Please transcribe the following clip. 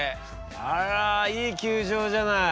あらいい球場じゃない。